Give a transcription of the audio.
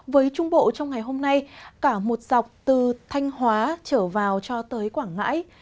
với trung bộ trong ngày hôm nay cả một dọc từ thanh hóa trở vào cho tới quảng ngãi